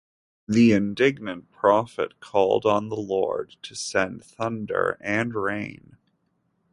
The indignant prophet called on the Lord to send thunder and rain.